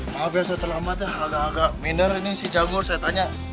maaf ya saya terlambat ya agak agak minder ini si canggur saya tanya